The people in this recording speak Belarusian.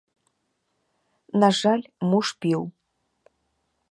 На жаль, муж піў.